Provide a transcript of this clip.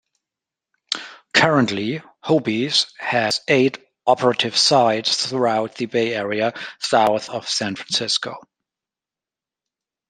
Currently, Hobee's has eight operative sites throughout the Bay Area south of San Francisco.